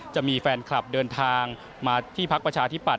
จะมีแฟนคลับเดินทางมาที่พักประชาธิปัต